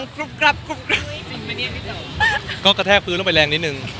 กละแทะพื้นลงไปแรงนิดนึง